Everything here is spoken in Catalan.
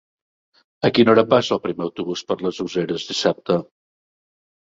A quina hora passa el primer autobús per les Useres dissabte?